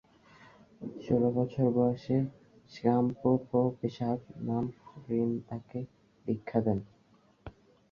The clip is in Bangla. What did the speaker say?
ষোল বছর বয়সে স্গাম-পো-পা-ব্সোদ-নাম্স-রিন-ছেন তাকে দীক্ষা দেন।